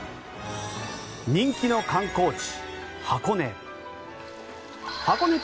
人気の観光地、箱根。